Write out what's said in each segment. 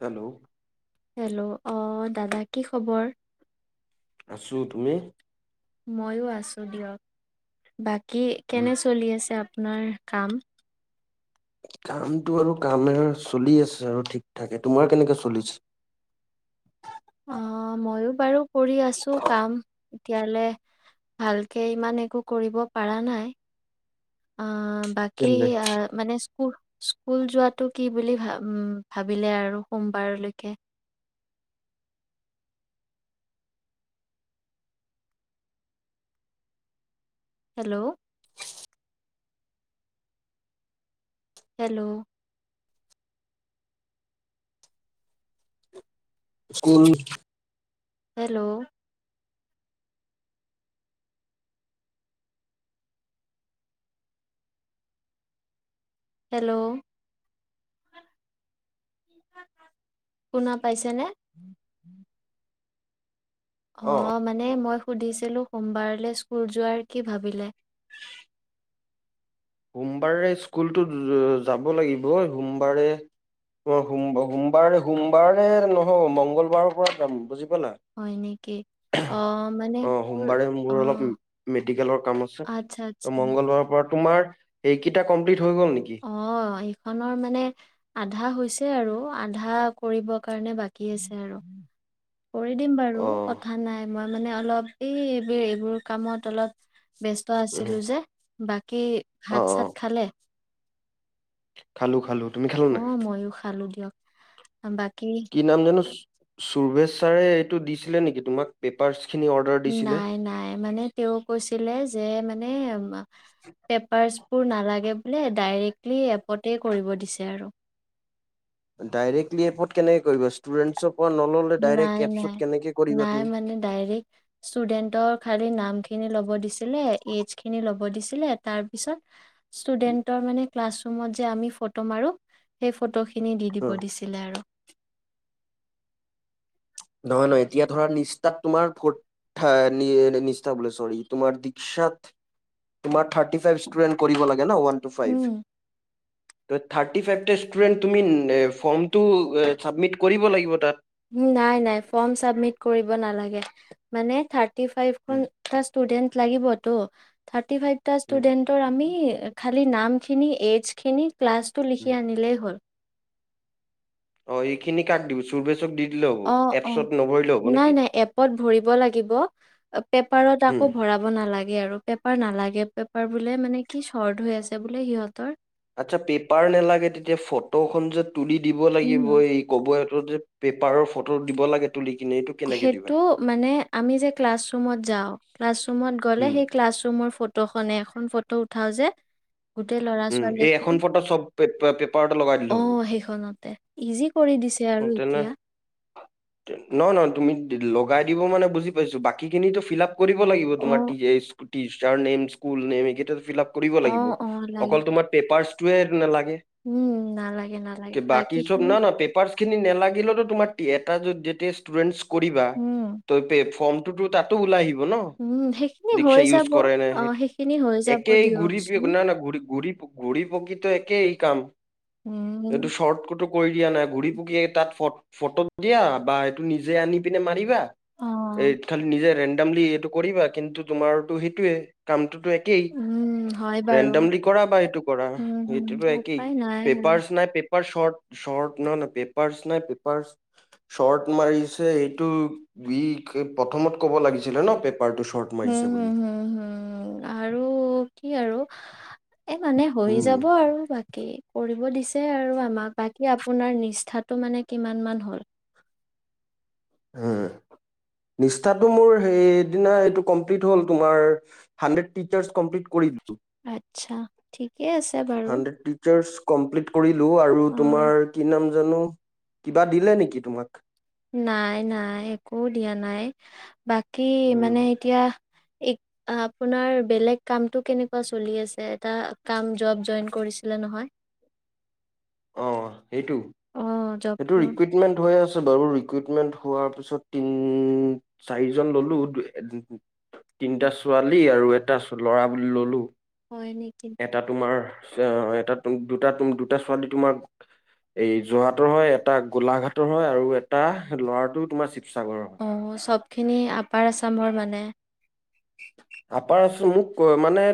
Hello! Hello অ! দাদা কি খবৰ? আছোঁ। তুমি? ময়ো, আছো দিয়ক। বাকী, কেনে চলি আছে আ আপোনাৰ কাম? কামটো আৰু, কাম আৰু চলি আছে আৰু ঠিক ঠাকে। তোমাৰ কেনেকুৱা চলিছে? অ! মইও বাৰু কৰি আছো কাম। এতিয়ালে ভালকে ইমান একো কৰিব পাৰা নাই। অ! বাকী কেলে মানে স্কুল স্কুল যোৱাটো কি বুলি ভাবিলে আৰু সোমবাৰলৈকে? Hello! Hello! School hello! Hello! শুনা পাইছেনে? [inaudible] অ! মানে মই সুধিছিলোঁ, সোমবাৰলৈ স্কুল যোৱাৰ কি ভাবিলে? সোমবাৰে স্কুলটো যাব লাগিব। সোমবাৰে অ সোম, সোমবাৰে, সোমবাৰে নহব মংগলবাৰৰ পৰা যাম বুজি হয় নেকি? অ' মানে মোৰ সোমবাৰে অ' মোৰ অলপ মেডিকেলৰ কাম আছে, আচ্ছা আচ্ছা মংগলবাৰৰ পৰা তোমাৰ এই কিটা কমপ্লিট হৈ গ'ল নেকি? অ! এইখনৰ মানে আধা হৈছে। আৰু, আধা কৰিব কাৰণে, বাকী আছে আৰু। কৰি দিম বাৰু, অ কথা নাই মই মানে অলপ, এই! এইবোৰ কামত অলপ ব্যস্ত উম আছিলো যে! বা কি অ অ ভাত -চাত খালে? খালো খালো তুমি খালা নে নাই অ' ময়ো খালো দিয়ক বাকী কি নাম জানো সুুৰভেশ ছাৰে এইটো দিছিলে নেকি তোমাক পেপাৰ নাই নাই মানে তেওঁ কৈছিলে যে ম মানে পেপাৰছ নালাগে বোলে ডাইৰেক্টলি এপতে কৰিব দিছে আৰু ডাইৰেক্টলি এপ কেনেকে কৰিব ষ্টুডেণ্টছক নাই নাই নাই তুমি? মানে ডাইৰেক্ট ষ্টুডেন্টৰ খালি নাম খিনি লৱ দিছিলে লৱ‌ দিছিলে এজ খিনি লৱ দিছিলে তাৰপিছত ষ্টুডেণ্টছৰ মানে ক্লাচৰুমত যে আমি ফটোমাৰো সেই ফটোখিনি খিনি দি দিব হুম, দিছিলে আৰু নহয় নহয় এতিয়া ধৰা নিষ্ঠাত তোমাৰ ক'ত থা নিষ্ঠা বোলে সৰি তোমাৰ দিক্ষসাত তোমাৰ থাৰটিফাইপট ষ্টুডেণ্ট কৰিব লাগিব গ না ওৱান টু ফাইভ উম ত' থাৰ্টি ফাইভতে ষ্টুডেণ্ট তুমি ফৰ্মটো ছাবমিট কৰিব লাগিব তাত নাই নাই ফৰ্ম চাবমিট কৰিব নালাগে মানে থি হুম, ফাইভখন ফা ষ্টুডেন্ট লাগিবতো থৰ্টিফাইভটা হুম, ষ্টুডেণ্টৰ আমি খালি নামখিনি এজ খিনি ক্লাছটো হুম। লিখি আনিলেই হ'ল এই খিনি কাক দি চোৰভেছ অ অ নাই নেকি? নাই এপত ভৰিব লাগিব পেপাৰত হুম। আকৌ ভৰাব নালাগে আৰু পেপাৰ নালাগে পেপাৰ বোলে মানে কি শৰ্ট হৈ আছে বোলে সিহঁতৰ আচ্ছা পেপাৰ নেলাগে তেতিয়া ফটোখন যত তুলি দিব লাগিব উম। এই কব যে পেপাৰৰ ফটো দিব লাগে তুলি কিনে এইটো কেনেকে দিবা সেইটো মানে আমি যে ক্লাছৰুমত যাওঁ ক্লাছৰুমত গ'লে উম সেই ক্লাছৰুমৰ ফটো ফটো খনে এখন ফটো উঠাও যে গোটেই লৰা উম এই এখন ছোৱালীখিনি ফটো চব পেপ- পেপাৰতে লগাই দিলে হ'ব আহ সেইখনতে ইজি কৰি দিছে আৰু এতিয়া ন ন তুমি লগাই দিব মানে বুজি পাইছো বাকীখিনিতো ফিলাপ কৰিব লাগিব অ তোমাৰ টিচাৰ নেম স্কুল নেম এইকেইটা ফিলাপ কৰিব অ লাগিব অ অকল লাগিব তোমাৰ পেপাৰছ নালাগে উম নালাগে নালাগে বাকি বাকী চব খিনি না না পেপাৰচ খিনি নালাগিলে তোমাৰ এটা যেতিয়া ষ্টুডেন্ট কৰিবা উম [unintelligible] টো তো তাতো ওলাই আহিব ন উম সেইখিনি হৈ যাব অ সেইখিনি হৈ যাব দিয়কচোন ঘুড়ী পকিতো একেই কাম উম এইটো শৰ্ট কটো কৰি দিয়া নাই ঘুৰি পকি তাত ফ ফটো দিয়া বা এইটো নিজে আনি পিনে মাৰিবা অ এই খালি নিজে দমলি এইটো কৰিবা কিন্তু তোমাৰটো সেইটোয়ে কাম একেই উম হয় বাৰু ৰেণ্ডম লি এইটো কৰা উম হম এইটোটো একেই উপায় নাই আৰু পেপাৰচ না পে পেপাৰ্চ চৰ্ট চৰ্ট ন ন পেপাৰ্চ নাই পেপাৰ চৰ্ট মাৰিছে এইটো প্ৰথমত কব লাগিছিলে ন পেপাৰটো শৰ্ট হম মাৰিছে বুলি হম হম হম আৰু কি আৰু এই মানে হৈ যাব উম আৰু বাকী কৰিব দিছে আৰু আমাক বাকী আপোনাৰ নিষ্ঠাটো মানে কিমান মান হ'ল নিষ্ঠাটো মোৰ সেইদিনা এইটো কমপ্লিট হ'ল তোমাৰ হাণ্ড্ৰেড টিচাৰ্চ কমপ্লিট কৰিলো ঠিক হাণ্ড্ৰেত টিচাৰ্ছ কমপ্লিট কৰিলো আৰু অ তোমাৰ কি নাম জানো কিবা দিলে নেকি তোমাক নাই নাই একো দিয়া নাই বাকী উম মানে এতিয়া এক আপোনাৰ বেলেগ কামটো কেনেকুৱা চলি আছে এটা কাম জব জইন কৰিছিলা নহয় অ সেইটো অ সেইটো জবটো ৰিকুইটমেন্ট হৈ আছে বাৰু ৰিক্ৰুইটমেন্ট হোৱাৰ পিছত তিন চাৰিজন ললো তিনটা ছোৱালী আৰু এটা ল'ৰা বুলি ললো হয় নেকি এটা তোমাৰ অ এটা তুম দুটা তুম দুটা ছোৱালী তোমাক এই যোৰহাটৰ হয় এটা গোলাঘাটৰ হয় আৰু এটা ল'ৰাটো তোমাৰ সাগৰ হয় খিনি আপ আপাৰ আছামৰ মানে আপাৰ আসামৰ ক মানে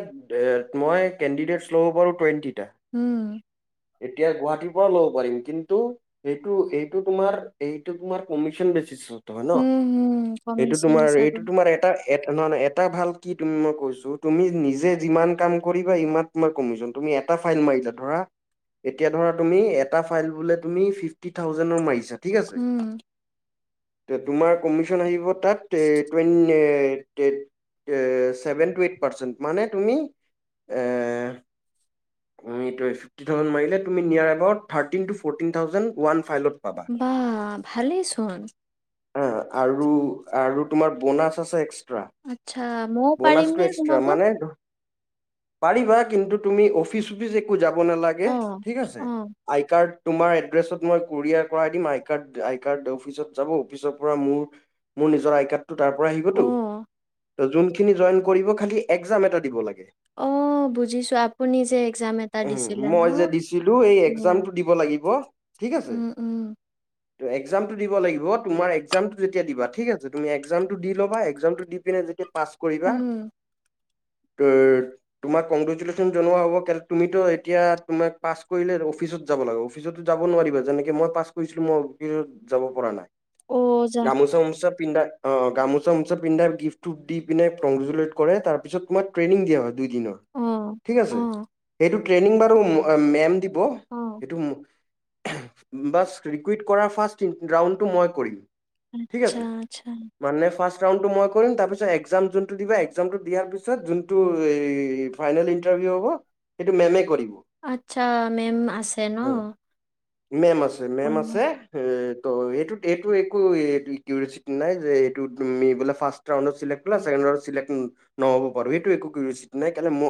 মই কেন্দিদেত শ্ল হল টোৱেণ্টি উম এতিয়া গুৱাহাটীৰ পৰা ল'ব পাৰিম কিন্তু সেইটো এইটো তোমাৰ এইটো তোমাৰ কমিচন বেচিছ হয় ন উম, হুম, এইটো কমিচন তোমাৰ এইটো হিচাপত তোমাৰ এটা এ নহয় নহয় এটা ভাল কি তুমি মই কৈছো তুমি নিজে যিমান কাম কৰিবা ইমান কমিছ তুমি এটা ফাইল মাৰছা ধৰা এতিয়া ধৰা তুমি এটা ফাইল বোলে তুমি ফিফটি থাউজেনৰ মাৰিছা ঠিক আছে। উম তোমাৰ কমিশন আহিব তাত টে টৱেন [inaudible] ফিফটি থাউজেন মাৰিলে তুমি নিয়াৰ আগত থাৰ্তিন টো ফৰ্টিন থাওজেন বা ভালেই চোন হা আৰু আৰু তোমাৰ বনাছ আছে এক্স আচ্ছা ময়ও পাৰিম নে সোমাব মানে পাৰিবা কিন্তু তুমি অফিচ চুফিচ একো যাবা নালাগে অ', ঠিক আছে অ', আইকাৰ্ড তোমাৰ এড্ৰেছত মই কুৰিয়াৰ কৰাই দিম আই কাৰ্ড আই কাৰ্ড অফিচত যাব অফিচৰ পৰা মোৰ মোৰ নিজৰ আই কাৰ্ডটো তাৰ পৰা আহিবতো অ', ত যোনখিনি জইন কৰিব খালি একজাম এটা দিব লাগে অ বুজিছো আপুনি যে একজাম এটা দিছিলে ন? মই যে দিছিলো এই উম, একজামটো দিব লাগিব ঠিক আছে উম, উম, ত একজামটো দিব লাগিব তোমাৰ একজামটো যেতিয়া দিবা ঠিক আছে তুমি একজামটো দি ল'বা একজামটো দি পিনে যেতিয়া পাছ কৰিবা উম, ত তোমাক কংগ্ৰেচুলেচন জনোৱা হ'ব তুমিতো এতিয়া তোমাক পাছ কৰিলে অফিচত যাব লাগে অফিচতো যাব নোৱাৰিবা যেনেকে মই পাছ কৰিছিলো মই অফিচত যাব পৰা নাই অ', যা গামোচা উমো চা পিন্ধা অ গামোচা আমোচা পিন্ধাই গিফটো দি পিনে কংগ্ৰেজুলেট কৰে তাৰ পিছত তোমাৰ ট্ৰেইনিং দিয়া হয় দি দিলে অ', ঠিক আছে অ', সেইটো ট্ৰেইনিং বাৰু ম অ', সেইটো বাছ ৰিকুইট কৰা ফাৰ্ষ্ট ৰাউণ্ডটো মই কৰিম ঠিক আচ্ছা, আছে আচ্ছা, মানে ফাৰ্ষ্ট জামটো মই কৰিম তাৰপিছত একজাম যোনটো দিবা একজামটো দিয়াৰ পিছত যোনটো এই ফাইনেল ইণ্টাৰ্ভিউ হব সেইটো মেমে কৰিব। আচ্ছা মেম আছে ন'। উম, মেম আছে, অ', মেম উম, আছে এ ত' এইটো এইটো একো [unintelligible] নাই তুমি এব ফাৰ্ষ্ট ৰাউণ্ডত চিলেক্ট হ'লা চেকেণ্ড ৰাউণ্ডত চিলেক্ট নহ'ব পাৰোঁ এইটো একো কিউৰিঅ'চিটি নাই কাৰণে ম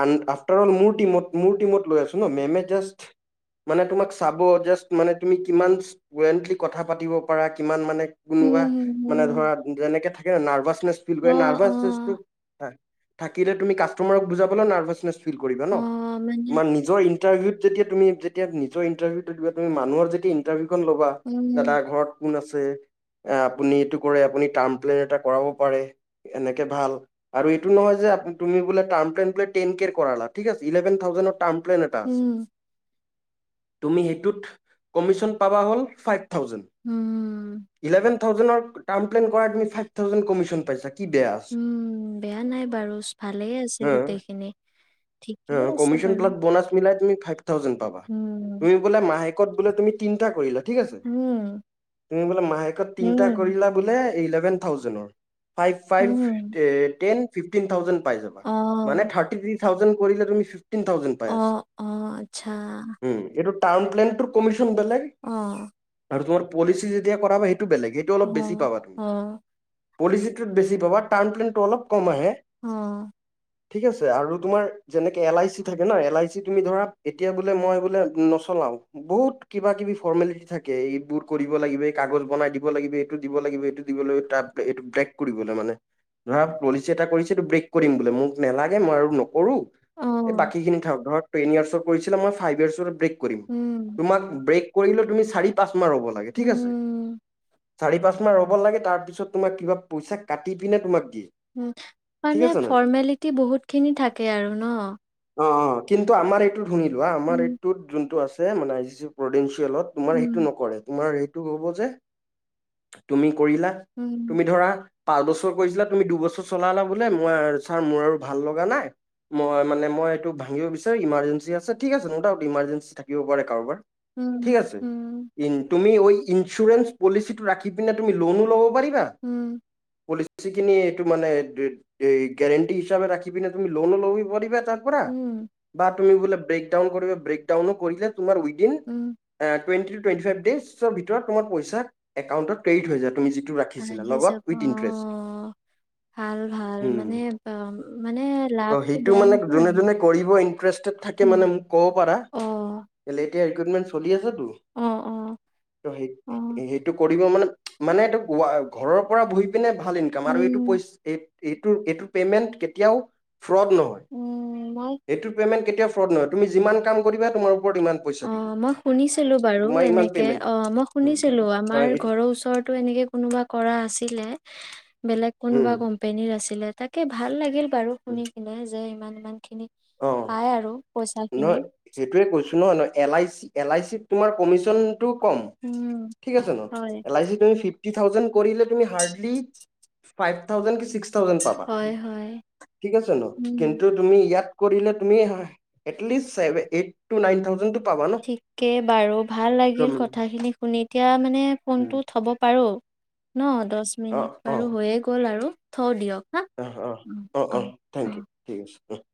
আন আফ কাৰণ মোৰ টিমত মোৰ টিমত লৈ আছোঁ ন' মেমে মানে তোমাক চাব মানে তুমি কিমা ফ্লুয়েণ্টলি কথা পাতিব পাৰা কিমান মানে কোনোবা হুম, মানে হুম, ধৰা যেনেকে থাকে কি নাৰ্ভাচ কৰে অ', অ', নাৰ্ভাচনেচটোক থাকিলে তুমি কাষ্টমাৰক বুজাবা নে নাৰ্ভচনেছ ন কৰিবা ন' অ', মানে তোমাৰ নিজৰ ইণ্টাৰভিউত যেতিয়া তুমি যেতিয়া নিজৰ ইণ্টাৰভিউ দিবা তুমি মানুহৰ যেতিয়া ইণ্টাৰভিউ ল'বা উম, দাদা ঘৰত কোন আছে আপুনি এই কৰে আপুনি এইটো কৰে আপুনি টাৰ্ম প্লেন এটা কৰাব পাৰে, এনেকে ভাল আৰু এইটো নহয় যে তুমি বোলে টাৰ্ম প্লেন বোলে টেন কেৰ কৰা না ঠিক আছে ইলেভন থাউজেডৰ টাৰ্ম প্লেন এটা আছে। উম, তুমি সেইটোত কমিশন পাবা হ'ল ফাইভ থাউজণ্ড উম, ইলেভেন থাউজেনৰ টাৰ্ম প্লেন কৰা তুমি ফাইভ থাউজেন্ড কমিচন পাইছা। কি বেয়া আছে উম, বেয়া নাই বাৰু ভালেই আছে গোটেইখিনি। ঠিকেই অ', আছে কমিচন বাৰু। বিলাক বনাছ মিলাই তুমি ফাইভ থাউজেণ্ড পাবা, উম, তুমি বোলে মাহে [unintelligible] বোলে তুমি তিনিটা কৰিলা। ঠিক আছে, উম, তুমি বোলে মাহেকত তিনিটা উম, কৰিলা বোলে, [unintelligible] ছেভেন থাউজেণ্ডৰ ফাইভ, ফাইভ, উম, এ টেন। ফিফটিন থাউজেণ্ড পাই যাবা। মানে অ', থাউজেণ্ড কৰিলে তুমি ফিফটিন থাউজেণ্ড পাই আছা। অ', অ', আচ্ছা, উম, এইটোত টাৰ্ম প্লেনটো কমিচ [unintelligible] অ', আৰু তোমাৰ পলিচি যেতিয়া কৰাবা বেলেগ, সেইটো অলপ বেছি অ', পাবা তুমি। অ', পলিচিটোত বেছি পাবা ট্ৰাম প্লেনটো অলপ কম আহে। অ। ঠিক আছে আৰু তোমাৰ যেনেকে এল আই চি থাকে ন এল আই চি তুমি ধৰা এতিয়া বোলে মই বোলে নচলাও বহুত কিবা কিবি ফৰ্মেলিটি থাকে এইবোৰ কৰিব লাগিব। এই কাগজ বনাই দিব লাগিব। এইটো দিব লাগিব এইটো দিব লাগিব। ত, এইটো ব্ৰেক কৰিবলৈ মানে ধৰা পলিচি এটা কৰিছে। এইটো ব্ৰেক কৰিম বোলে। মোক নেলাগে। মই আৰু নকৰো। এই অ', বাকীখিনি ও ধৰ টেন ইয়াৰ্চৰ কৰিছিলে মই ফাইভ ইয়াৰ্চৰ ব্ৰেক কৰিম উম, তোমাক ব্ৰেক। কৰিলেো তুমি চাৰি পাছ ৰব লাগে, ঠিক আছে। উম, চাৰি পাঁচ মাহ ৰ'ব লাগে। তাৰ পিছত, তোমাক কিবা পইচা কাটি পিনে তোমাক। দিয়ে উম, ঠিক মানে আছে ন ফৰৰ্মেলিটি বহুত খিনি থাকে আৰু ন? অ, অ, কিন্তু আমাৰ এইটো। শুনিলোৱা, আমাৰ উম, এইতটোত জোনটো আছে। মান, যিছ প্ৰদিয়ছ। [unintelligible] তলত মই তোমাৰ উম, সেইটো নকৰে, তোমাৰ সেইটো হ'ব যে, তুমি। কৰিলা, উম, তুমি ধৰা। পাঁচ বছৰ কৈইছিলা, তুমি দুবছৰ চলালা বোলে, মই ছাৰ মোৰ আৰু ভাল লগা নাই। মই মানে, মই এইটো ভাঙিব বিচাৰো ইমাৰ্জেঞ্চি আছে। ঠিক আছে ন দাউত ইমাৰ্জেঞ্চি থাকিব পাৰে কাৰোবাৰ। উম, ঠিক আছে, উম, ইন তুমি ঐ ইঞ্চুৰেঞ্চ পলিচিটো ৰাখি পিনে তুমি লোন লব পাৰি হা উম, পলিচি যি, এইটো মানে এই-এ গেৰেণ্টি হিচাপে ৰাখি পিনে তুমি লোনো ল'ব মেডিকেল তাৰ পৰা উম, বাদ তুমি বোলে ব্ৰেকডান কৰিবা। ব্ৰেক ডাউনো কৰিলে। তোমাৰ within um, A twenty to twenty five days চৰ ভিতৰত তোমাৰ পইচা একাউণ্টত ক্ৰেডিট হয় যায়। তুমি যিটো। ৰাখিছিলা ভাগি লগত যাব উইথ ইন্টাৰেষ্ট অ' ভাল ভাল উম মানে, মানে মা লাভটো। বেয়া তোমালোক নহয় জোন আৰু জোন কৰিব ইণ্টাৰেষ্টটেড থাকে মানে উম, মোক কব পাৰা। অ এইকেইদিন চলিয়ে আছে তুমি অ অ অ সেই-সেইটো কৰিবা মানে। মানে এইটো, ঘৰৰ পৰা বহি। পিনে ভাল ইনকাম, আৰু এইটো উম পইচ এই। এইটো, এইটো পেমেন্ট কেতিয়াও ফ্ৰড নহয়। উম মই এইটো পেমেণ্ট কেতিয়া। ফ্ৰদ নহয়, তুমি যিমান কাম কৰিবা তোমাৰ। ওপৰত ইমান পইচা দিব অ' মই শুনিছিলো বাৰু তোমাৰ ইমান এনেকে। পেমেন্ট অ' মই উম, শুনিছিলো, আমাৰ হয় এইটো ঘৰৰ ওচৰতো এনেকে কোনোবা কৰা আছিলে। বেলেগ উম, কোনোবা কোম্পেনীৰ আছিলে। তাকে ভাল লাগিল। বাৰু উম, শুনি কিনে যে ইমান। ইমানখিনি। অ', পাই আৰু। পইচা খিনি নহয়, সেইটোয়ে কৈছো ন নহ। L I C L I চিত তোমাৰ কমিশন টো কম, উম ঠিক আছে হয় এল আই চিটো থাউজেন্ড কৰিলে তুমি হাৰডলি্ ফাইভ থাউজেন্ড [unintelligible] থাউজেন্ড পাবা হয় হয় থিক আছে, উম কিন্তু তুমি ইয়াত কৰিলে তুমি হা at least, eight to nine thousand টো ঠিকে বাৰু, ভাল উম, লাগিল কথাখিনি শুনি। [unintelligible] মানে উম, ফোনটো থ'ব পাৰোঁ। ন। দহ অ', মিনিট অ', বাৰু হৈয়ে গ'ল আৰু। থওঁ দিয়ক। হা অ' অ 'অ' অ'থেংক অ ইউ ঠিক আছে অ'।